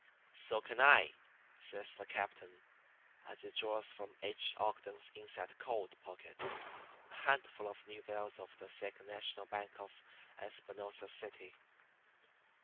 "'So can I,' says the captain, as he draws from H. Ogden's inside coat pocket a handful of new bills of the Second National Bank of Espinosa City.